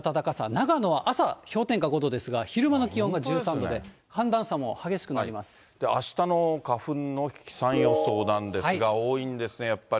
長野は朝、氷点下５度ですが、昼間の気温が１３度で、あしたの花粉の飛散予想なんですが、多いんですね、やっぱり。